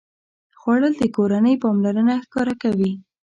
خوړل د کورنۍ پاملرنه ښکاره کوي